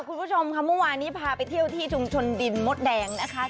คุณผู้ชมค่ะเมื่อวานนี้พาไปเที่ยวที่ชุมชนดินมดแดงนะคะ